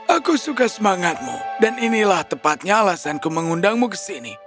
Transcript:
aku suka semangatmu dan inilah tepatnya alasanku mengundangmu ke sini